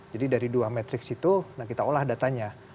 jadi dari dua matrix itu kita olah datanya